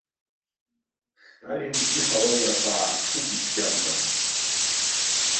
Сталин иҳалалрақәа аарԥшуп ицәгьамкәан.